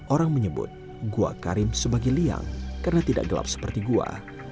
orang menyebut gua karim sebagai liang karena tidak gelap seperti gua